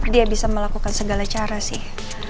dia bisa melakukan segala cara sih